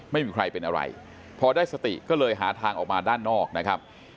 ไม่มีใครเป็นอะไรพอได้สติก็เลยหาทางออกมาด้านนอกนะครับ